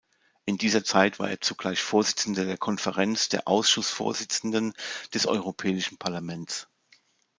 In dieser Zeit war er zugleich Vorsitzender der Konferenz der Ausschussvorsitzenden des Europäischen Parlaments.